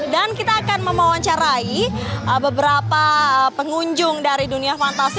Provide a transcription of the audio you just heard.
dan kita akan memuancarai beberapa pengunjung dari dunia fantasi